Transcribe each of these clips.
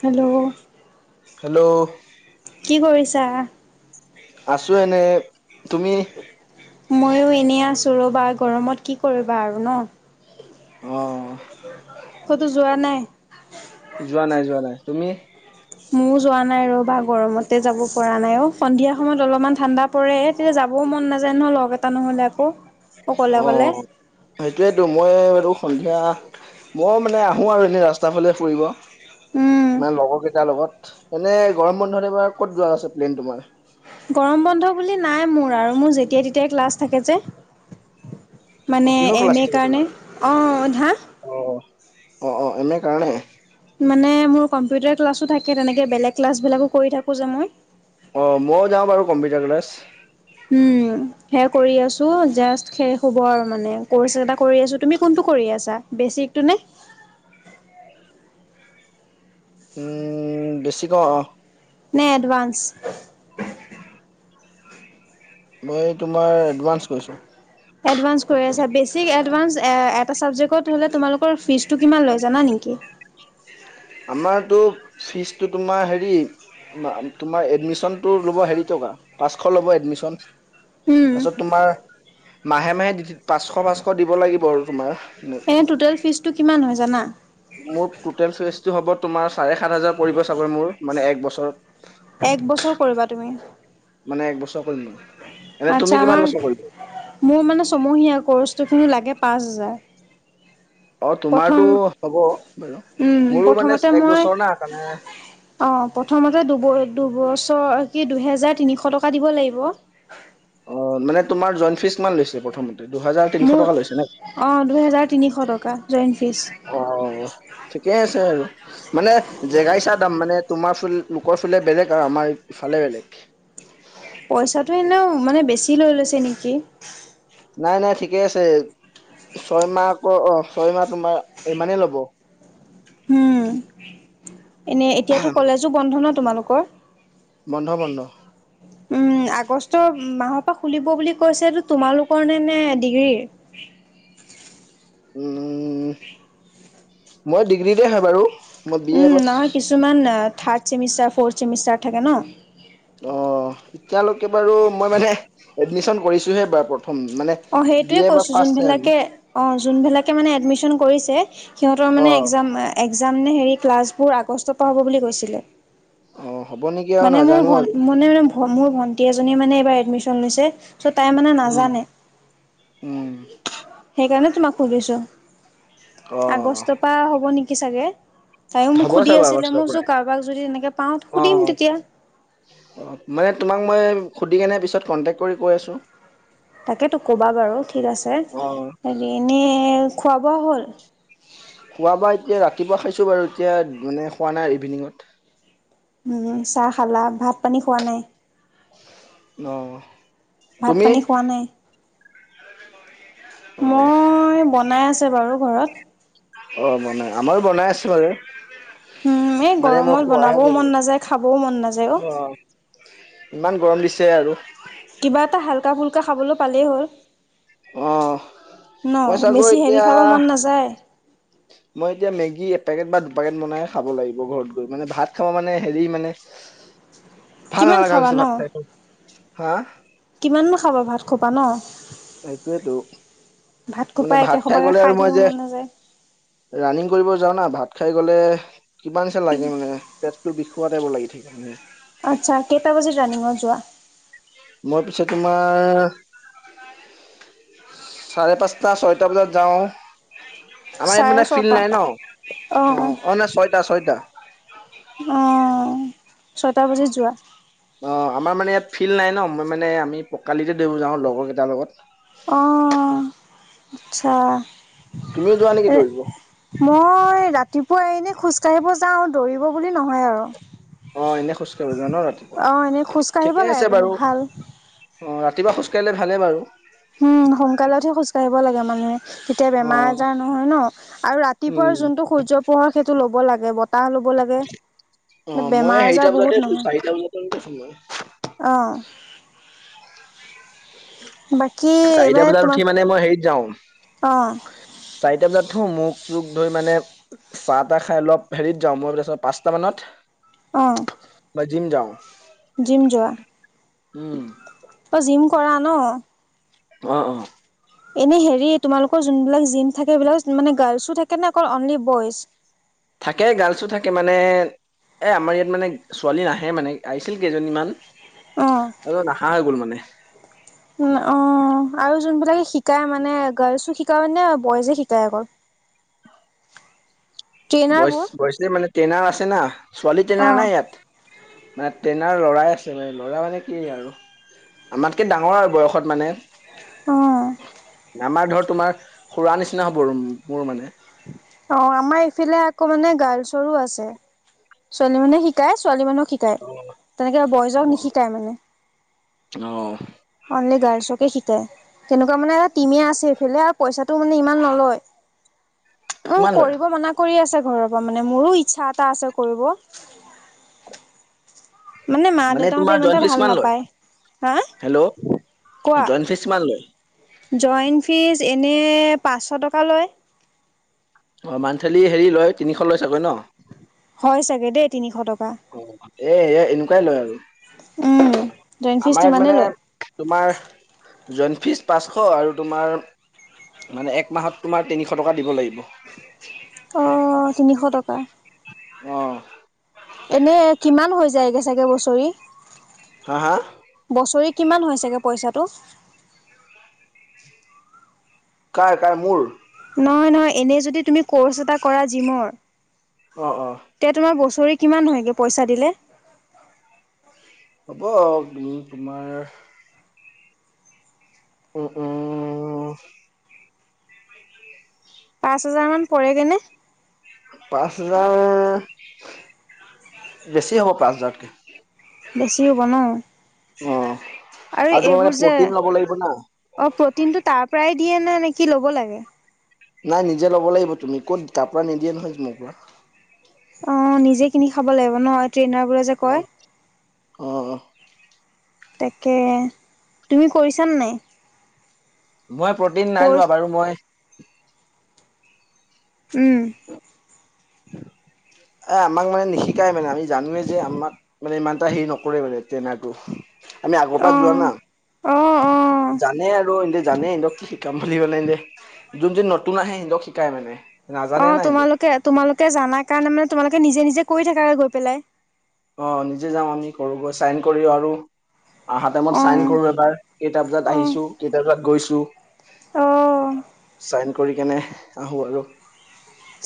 Hello'- hello'- কি কৰিছা- আছোঁ এনে তুমি- ময়ো এনে আছোঁ ৰ'বা গৰমত কি কৰিবা আৰু ন- অ- কতো যোৱা নাই? যোৱা নাই যোৱা নাই তুমি- মোৰ যোৱা নাই- নাই ৰ বা গৰমতে যাব পৰা নাই সন্ধিয়া সময়ত অলপমান ঠাণ্ডা পৰে তেতিয়া যাবও মন নাযায় নহয় - লগ এটা নহ'লে আকৌ- অকলে অ অকলে সেইটোয়েতো মই এই- সন্ধিয়া বৰ মানে আহোঁ আৰু এনে ৰাস্তা ফালে ফুৰিব উম মানে লগৰ কেই- কেইটা লগত এনে গৰম বন্ধত এইবাৰ ক'ত যোৱা আছে প্লেইন তোমাৰ- গৰম বন্ধ বুলি নাই মোৰ আৰু মোৰ যেতিয়াই তেতিয়াই ক্লাছ থাকে যে- অ মানে কিহৰ ক্লাছ এম এ থাকে তোমাৰ কাৰণে অ ধা- অ অ অ এনে কাৰণে- মানে মোৰ কম্পিউটাৰ ক্লাছো থাকে তেনেকে বেলেগ ক্লাছবিলাকো কৰি থাকো যে মই- অ মই যাওঁ বাৰু কম্পিউটাৰ ক্লাছ- উম সেই- কৰি আছো জাষ্ট শেষ হব আৰু মানে কৰ্চ এ কৰি আছোঁ তুমি কোনটো কৰি আছা বেচিকটো নে- [inaudible] উম বেছি কম অ- [unintelligible] নে [unintelligible] এডভানস? মই তোমাৰ এডভানস কৰিছোঁ - এডভানস এটা চাবজেক্টত হ'লে তোমালোকৰ ফিজটো কিমান লয় জানা নেকি? আমাৰতো ফিজতটো তোমাৰ হেৰি তোমাৰ এডমিচনটো [unintelligible] ল'ব হেৰি টকা পাঁচশ ল'ব এডমিশ্যন - উম, তাৰপিছত তোমাৰ মাহে মাহে পাঁচশ পাঁচশ দিব লাগিব আৰু তোমাৰ- এ টোটেল ফিজটো কিমান হয় জানা? মোৰ টোটেল চইচটো হ'ব তোমাৰ- চাৰে সাত হাজাৰ পৰিব চাগৈ মোৰ মানে এক এক বছৰত- বছৰ কৰিবা তুমি মানে এক বছৰ কৰিল- আচ্ছা আমাৰ মোৰ মানে ছমহীয়া কচটো খিনি লাগে পাঁচ হাজাৰ- অ প্ৰথম তোমাৰতো হ'ব বাৰু উম, মোৰো মানে প্ৰথমতে এক মই বছৰ না কাৰণে- অ প্ৰথমতে- দুবছৰ কি দুহেজাৰ তিনিশ টকা দিব লাগিব- অ মানে তোমাৰ জইণ্ট ফিজ কিমান লৈছে প্ৰথমতে দুহজাৰ তিনিশ টকা লৈছে ন। অঁ দুহেজাৰ তিনিশ টকা জইণ্ট অ ফীজ্ ঠিকে আছে আৰু মানে জেগাই চাই দাম মানে তোমাৰ ফুল লোকৰ ফালে বেলেগ আৰু আমাৰ ইফালে বেলেগ পইচাটো এনেও মানে বেছি লৈ লৈছে নেকি? নাই নাই ঠিকেই আছে। ছয়মাহ আকৌ অ ছয় মাহ তোমাৰ ইমানেই ল'ব। উম এনে এতিয়াতো কলেজো বন্ধ ন তোমালোকৰ। বন্ধ বন্ধ। উম আগষ্টৰ মাহৰ পৰা খুলিব বুলি কৈছে এইটো তোমালোকৰ নে নে ডিগ্ৰীৰ। [inaudible] উম! [inaudible] মই ডিগ্ৰীতে হে বাৰু। মই বি এ উম এইবাৰ নহয় কিছুমান থাৰ্ড চেমষ্টাৰ, ফৰ্ চেমিষ্টাৰ থাকে ন। অ এতিয়ালৈকে বাৰু মই মানে এডমিচন কৰিছো হে এইবাৰ প্ৰথম মানে অঁ বি সেইটোৱে এ এইবাৰ কৈছোঁ ফাৰ্ষ্ট চেম যোনবিলাকে অঁ যোনবিলাকে মানে এডমিশন কৰিছে। সিহঁতৰ অ মানে এক্সাম এক্সাম নে হেৰি ক্লাছবোৰ আগষ্টৰ পৰা হ'ব বুলি কৈছিলে। অ হ'ব নেকি আৰু মানে মোৰ নাজানো বন আৰু মনে মানে মোৰ ভন্টি এজনীয়ে মানে এইবাৰ এডমিশন লৈছে চ' তাই মানে উম নাজানে। উম সেইকাৰণে তোমাক সুধিছো, অ আগষ্টৰ পৰা হ'ব নেকি? থাকি চাগে তাইো হ'ব মোক সুধি চাগৈ আছিলে আগষ্টৰ মই পৰাই কাৰোবাক যদি তেনেকে পাওঁ অ সুধিম তেতিয়া। অ মানে তোমাক মই সুধি কেনে পিছত কন্টেক্ট কৰি কৈ আছোঁ। তাকেতো কবা বাৰু ঠিক আছে অ এনেই এনেই খোৱা -বোৱা হ'ল? খোৱা বোৱা এতিয়া ৰাতিপুৱা খাইছোঁ বাৰু এতিয়া মান খোৱা নাই ইভিনিঙত। উম চাহ খালা, ভাত -পানী খোৱা নাই। অহ ভাত -পানী খোৱা নাই। অ মই বনাই আছে বাৰু ঘৰত। অ বনাই আমাৰো বনাই আছো বাৰু। [unintelligible] উম এই মানে মই গৰমত খোৱাহে বনাবও মন গৈছো নাযায় খাবও মন নাযায় অ। ইমান গৰম দিছে আৰু। কিবা এটা হাল্কা ফুল্কা খাবলৈ পালেই হ'ল। অ ন মই চাগৈ বেছি হেভি এতিয়া খাব মন নাযায়। মই এতিয়া মেগী পেকেট বা দুপেকেট বনাই খাব লাগিব ঘৰত গৈ মানে ভাত খাব মানে হেৰি মানে ভাল কিমান নালাগা হৈছে ভাত খাই হা কিমান নো খাবা ভাত খোপা ন। সেইটোয়েতো ভাত খোপা মানে একে ভাত খাই সোপাকে গ'লে আৰু মই থাকিব যে মন নাযায় ৰানিং কৰিব যাও না ভাত খাই গ'লে কিমান চা লাগে মানে পেটটো বিষুৱা টাইবৰ লাগি থাকে মানে। আচ্ছা কেইটা বজাত ৰানিঙত যোৱা মই পিছে তোমাৰ চাৰে পাঁচটা ছয়টা বজাত যাওঁ। আমাৰ ইয়াত চাৰে মানে ফিল্ড ছটা নাই ন, অ ছয়টা ছয়টা। অ ছয়টা বজাত যোৱা। অ আমাৰ মানে ইয়াত ফিল্ড নাই ন মই মানে আমি পকাআলিতে দৌৰিব যাওঁ লগৰ কেইটাৰ লগত। অ আচ্ছা। তুমিও যোৱা নেকি এ দৌৰিব? মই ৰাতি পুৱ এনেই খোজকাঢ়িব যাওঁ আৰু দৌৰিব বুলি নহয় আৰু। অ এনেই খোজ কঢ় যা ন অঁ এনেই ৰাতিপুৱা খোজকাঢ়িব ঠিকে লাগে আছে কিন্তু বাৰু ভাল অ ৰাতিপুৱা খোজ কাঢ়িলে ভালে বাৰু উম সোনকালতহে খোজ কাঢ়িব লাগে মানুহে তেতিয়া অ বেমাৰ আজাৰ নহয় ন আৰু উম ৰাতিপুৱাৰ যোনটো সূৰ্য পোহৰ সেইটো ল'ব লাগে ব বতাহ ল'ব লাগে অ মই বেমাৰ হেৰিটা আজাৰ বজাতে বহুত উঠো নহয় চাৰিটা [inaudible] অহ চাৰিটা এইবাৰ বজাত তোমাৰ উঠি মানে মই হেৰিত অ যাওঁ চাৰিটা বজাত উঠো মুখ চুখ ধুই মানে চাহ তাহ খাই অলপ হেৰিত যাওঁ মই তাৰত পাঁচটা মানত অ জিম যাওঁ জিম যোৱা উম অ জিম কৰা ন অ অ এনে হেৰি তোমালোকৰ যোনবিলাক জিম থাকে সেইবিলাক মানে গাৰ্লছো থাকে নে অনলি বইজ থাকে গাৰ্লছো থাকে মানে এ আমাৰ ইয়াত মানে ছোৱালী নাহে মানে আহিছিল কেইজনীমান অ আৰু নহা হৈ গ'ল মানে অ আৰু যোনবিলাকে শিকায় মানে গাৰ্লছো শিকায় নে বইজে শিকায় অকল [unintelligible] [inaudible] ব ট্ৰেইনাৰবোৰ বয়ছে মানে ট্ৰেইনাৰ আছে না ছোৱালী অ ট্ৰেইনাৰ নাই ইয়াত মানে ট্ৰেইনাৰ ল'ৰাই আছে মানে ল'ৰা মানে কি আৰু আমাতকে ডাঙৰ আৰু বয়সত মানে অ আমাৰ ধৰ তোমাৰ খুৰা নিচিনা হ'ব মোৰ মানে অ আমাৰ ইফালে আকৌ মানে গাৰ্লছৰো আছে ছোৱালী মানে শিকায় ছোৱালী মানুহক শিকায় তেনেকে বয়জক নিশিকায় মানে অহ অনলি গাৰলছকে শি তেনেকুৱা মানে এটা টিমে আছে এইফালে আৰু পইচাটো মানে ইমান নলয় উম কিমান লয় কৰিব মনা কৰি আছে ঘৰৰ পৰা মানে মোৰো ইচ্ছা এটা আছে কৰিব মা মানে দেউতাহঁতে তোমাৰ ইমান জইন এটা ফিচ ভাল কিমান লয়? নাপায় হা হেল্ল'। কোৱা। জইন ফিচ কিমান লয়? এ পাঁচ চ টকা লয়। অ মান্থলি হেৰি লয়, তিনিশ লয় চাগৈ ন? হয় চাগে দেই তিনিশ টক অ এ এনেকুৱাই লয় আৰু। উম জইন ফিজ আমাৰ ইয়াত তিমানেই মানে লয়। তোমাৰ জই ফিজ পাঁচশ আৰু তোমাৰ মানে এক মাহত তোমাৰ তিনিশ টকা দিব লাগিব। অ তিনিশ টকা। অ। এনে কিমান হৈ যায়গে চাগে বছৰি? হা? হা? বছৰি কিমান হয় ছাগে পইচাটো? কাৰ-কাৰ? মোৰ? নহয়-নহয় এনেই যদি তুমি ক'ৰ্চ এটা কৰা জিমৰ? অ-অ। ৰি কিমান হয়গে পইচা দিলে? হ'ব তোমাৰ উ-উ অ। পাঁচ হাজাৰ মান পৰেগে নে? পাঁচ হাজাৰ, বেছি হ'ব পাঁচ হাজাৰতকে। বেছি হব ন? অ আৰু তোমাৰ মানে এইবোৰ যে প্ৰটিন ল'ব লাগিব না অ প্ৰটিনটো তাৰ পৰাই দিয়ে নে নে কি ল'ব লাগে? নাই নিজে ল'ব লাগিব তুমি। ক'ত তাৰ পৰা নিদিয়ে নহয় জিমৰ পৰা। অ, নিজে কিনি খাব লাগিব ন? ট্ৰেইনাৰবোৰে যে কয়। অহ, অ। তাকে তুমি কৰিছানে নাই? মই প্ৰটিন নাই কৰ্চ? লোৱা বাৰু। মই উম। [inaudible] এ আমাক মানে নিশিকাই মানে। আমি জানোৱে যে। আমাক মানে ইমান এটা হেৰি নকৰে মানে ট্ৰেইনাৰটো। আমি আগৰ পৰা অ যোৱা না। অ অ জানে আৰু এ জানে সিহঁতক কি শিকাম বুলি মানে। এনে যোন-যোন নতুন আহে সিহঁতক শিকাই মানে। অ নাজানে না সিহঁতে তোমালোকে তোমালোকে জানা কাৰণে মানে তোমালোকে নিজে নিজে কৰি থাকা গৈ পেলাই। অ, নিজে যাও আমি কৰো গৈ। চাইন কৰি আৰু আহা টাইমত চাইন পেলাই। কৰো এবাৰ। কেইটা বজাত অ আহিছো, কেইটা বজাত গৈছো। অ অ চাইন কৰি কেনে আহো আৰু।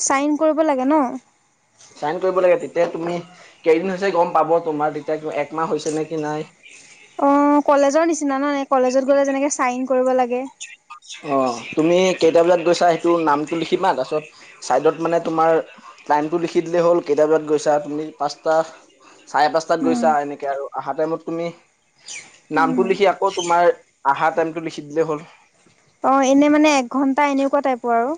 চাইন কৰিব লাগে ন? চাইন কৰিব লাগে। তেতিয়া তুমি কেইদিন হৈছে গম পাব তোমাৰ তেতিয়া একমাহ হৈছে নে কি নাই। অ, কলেজৰ নিচিনা ন? নাই কলেজত গ'লে যেনেকে চাইন কৰিব লাগে। অ, তুমি কেইটা বজাত গৈছা সেইটো নামটো লিখিবা, তাৰপিছত ছাইডত মানে তোমাৰ টাইমটো লিখি দিলে হ'ল কেইটা বজাত গৈছা তুমি। পাঁচটা চাৰে পাঁচটাত গৈছা। এনেকে আৰু আহা টাইমত তুমি নামটো উম, লিখি আকৌ তোমাৰ আহা টাইমটো লিখি দিলেই হ'ল। অ, এনে মানে এঘণ্টা এনেকুৱা টাইপৰ আৰু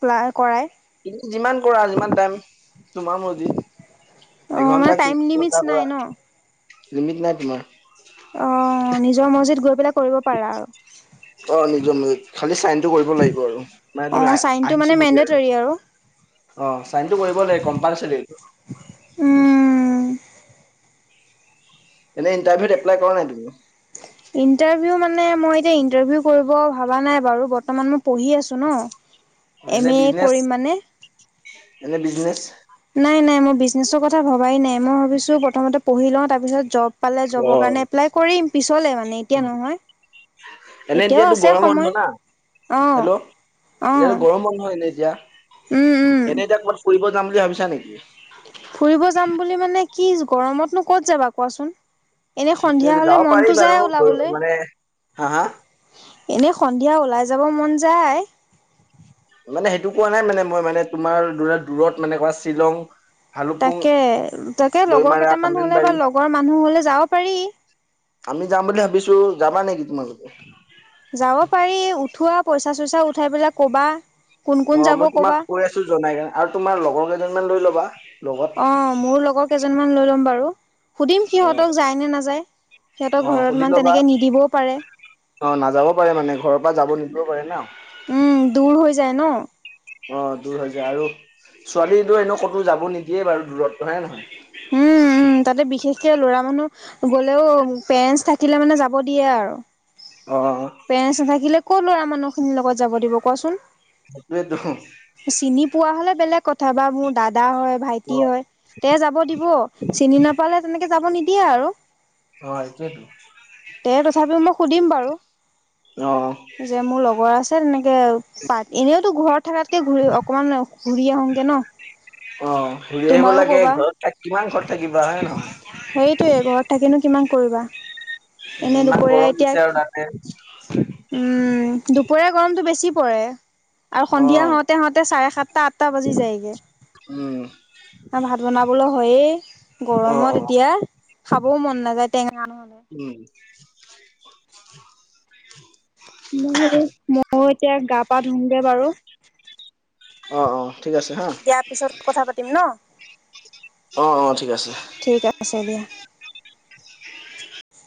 ক্লা কৰায়। এ যিমান কৰা যিমান টাইম তোমাৰ মৰজি। অ', মানে এঘন্টা কি টাইম লিমিটছ ঘণ্টা কৰা নাই ন? কৰা। লিমিট নাই তোমাৰ। অ নিজৰ মৰজিত গৈ পেলাই কৰিব পাৰা আৰু। অ নিজৰ মৰজিত। খালি চাইন কৰিব লাগিব আৰু মানে তুমি অ', চাইনটো মানে আহিছো বুলি আৰু মেণ্ডেটৰী অ চাইনটো কৰিব লাগে কম্পালচাৰটো উম। এনেই ইণ্টাৰভিউত এপ্লাই কৰা নাই তুমি ইটাৰভিউ মানে মই এতি ইন্টাৰভিউ কৰিব ভাবা নাই বাৰু বৰ্তমান মোক পঢ়ি আছোঁ ন এনে এম এ বিজনেচ কৰিম মানে এনে বিজনেচ নাই নাই মই বিজনেছৰ কথা ভবাই নাই মই ভাবিছোঁ প্ৰথমতে পঢ়ি লওঁ তাৰপিছত জব পালে অ জবৰ কাৰণে এপ্লাই কৰিম পিছলে মানে এতিয়া নহয় এনে এতিয়াও এতিয়াতো আছে গৰম সময় বন্ধ না অঁ হেল্ল' অঁ এতিয়াতো গৰম বন্ধ এনে এতিয়া উম উম এনেই এতিয়া ক'বাত ফুৰিব যাম বুলি ভাবিছা নেকি ফুৰিব যাম বুলি মানে কি গৰমতনো ক'ত যাবা কোৱাচোন এনে এতিয়া সন্ধিয়া হলে যাব পাৰি মনতটো বাৰু যায় ওলাবলৈ মানে হা হা এনে সন্ধিয়া ওলাই যাব মন যায় মানে সেইটো কোৱা নাই মানে মই মানে তোমাৰ দূৰত মানে ধৰা শ্বিলং [unintelligible] তাকে তাকে লগৰ দৈমাৰা কেইটামান হলে বা কামৰেংবাৰী লগৰ মানুহ হলে যাব পাৰি আমি যাম বুলি ভাবিছো যাবা নেকি তোমাৰতে যাব পাৰি উঠোৱা পইচা চইচা উঠাই পেলাই কবা কোন কোন অ যাব মই তোমাক ক'বা কৈ আছো জনাই কাৰনে আৰু তোমাৰ লগৰ কেইজনমান লৈ ল'বা লগত অ মোৰ লগৰ কেইজন মমান লৈ ল'ম বাৰু সুধিম অ সিহঁতক যায় নে নাযায় সিহঁতক অ ঘৰত সুধি মানে ল'বা তেনেকে নিদিবও পাৰে অ নাযাব পাৰে মানে ঘৰৰ পৰা যাব নিদিবও পাৰে ন উম, দূৰ হৈ যায় ন অ দূৰ হৈ যায় আৰু ছোৱালী এনেও কতো যাব নিদিয়ে বাৰু দূৰতো হয়নে নহয় কে ল'ৰা মানুহ গ'লেও পেৰেনচ থাকিলে মানে যাব দিয়ে আৰু অ পেৰেনচ নাথাকিলে ক' লৰা মানুহ খিনিৰ লগত যাব দিব কচোন সেইটোৱেতো চিনি পোৱা হলে বেলেগ কথাবা মোৰ দাদা হয় ভাইটি অ হয় তে যাব দিব চিনি নাপালে তেনেকে যাব নিদ দিয়ে আৰু হয়তো। তে তথাপিও মই সুধিম বাৰু অ যে মোৰ লগৰ আছে তেনেকে কে পাত এনেওতো ঘৰত থকাতকে ঘূৰি অকমান ঘূৰি আহোগে ন অ ঘুৰি আহিব লাগে ঘৰত থাক কিমান খৰ সেইটোৱে ঘৰত থাকিনো কিমান কৰিবা এনে ইমান দুপৰীয়া গৰম এতিয়া দিছে আৰু তাতে উম দুপৰিয়া গৰমতটো বেছি পৰে আৰু অ সন্ধিয়া হওঁতে হওঁতে চাৰে সাত সাতটা আঠটা বাজি যায়গে উম ভাত বনাবলৈ হয়েই অ অ গৰমত এতিয়া খাবও মন নাযায় টেঙা [unintelligible] [inaudible] ম হলে মইও এতিয়া গা পা ধুমগে বাৰু অ অ ঠিক আছে হা দিয়া পিছত কথা পাতিম ন অ অ ঠিক আছে ঠিক আছে দিয়া